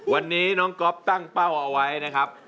วันนี้น้องก๊อฟตั้งเป้าเอาไว้นะครับ